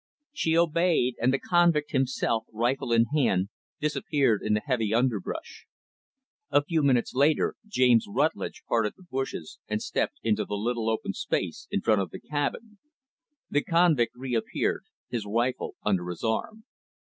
She obeyed; and the convict, himself, rifle in hand, disappeared in the heavy underbrush. A few minutes later, James Rutlidge parted the bushes and stepped into the little open space in front of the cabin. The convict reappeared, his rifle under his arm.